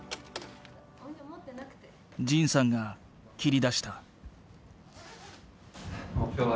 仁さんが切り出した。